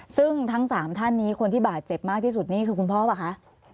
ซึ่งทั้ง๓ท่านนี้คนที่บาดเจ็บมากที่สุดนี่คือคุณพ่อเปล่าคะ